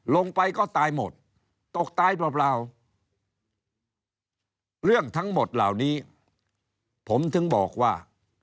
ลงไปก็ตายหมดตกตายเปล่าเรื่องทั้งหมดเหล่านี้ผมถึงบอกว่า